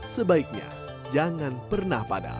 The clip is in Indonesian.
sebaiknya jangan pernah padahal